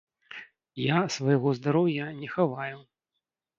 Я свайго здароўя не хаваю.